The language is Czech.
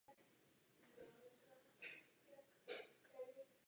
Byl stoupencem českého státního práva.